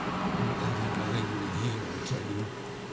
I'll not have him malingering here, I tell yon.